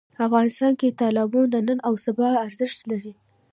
افغانستان کې تالابونه د نن او سبا لپاره ارزښت لري.